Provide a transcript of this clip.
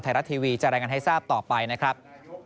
ไทยรัฐทีวีจะรายงานให้ทราบต่อไปนะครับ